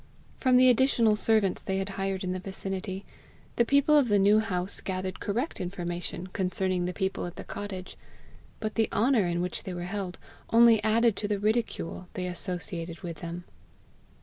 From the additional servants they had hired in the vicinity, the people of the New House gathered correct information concerning the people at the cottage, but the honour in which they were held only added to the ridicule they associated with them.